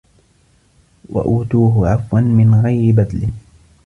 وَأُوتُوهُ عَفْوًا مِنْ غَيْرِ بَذْلٍ